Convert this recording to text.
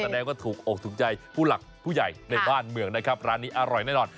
แสดงว่าถูกอกถูกใจผู้หลักผู้ใหญ่ในบ้านเมืองนะครับร้านนี้อร่อยแน่นอน